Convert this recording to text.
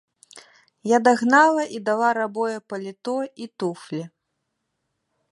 Я дагнала і дала рабое паліто і туфлі.